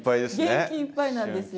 元気いっぱいなんですよ。